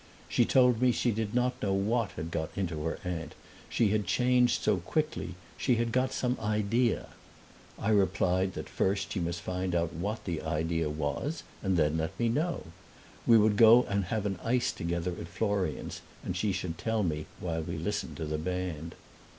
She told me she did not know what had got into her aunt; she had changed so quickly, she had got some idea. I replied that she must find out what the idea was and then let me know; we would go and have an ice together at Florian's, and she should tell me while we listened to the band.